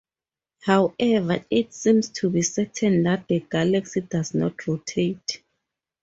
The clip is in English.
However, it seems to be certain that the galaxy does not rotate.